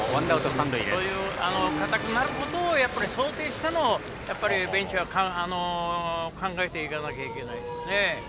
そういう硬くなることを想定したのをベンチは考えていかなきゃいけないですね。